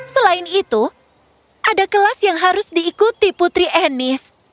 selain itu ada kelas yang harus diikuti putri enis